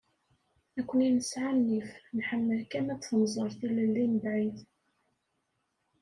Nekkni nesɛa nnif, nḥemmel kan ad tnẓer tilelli mebɛid.